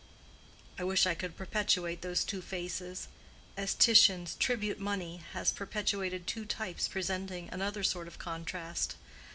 I wish I could perpetuate those two faces, as Titian's "Tribute Money" has perpetuated two types presenting another sort of contrast.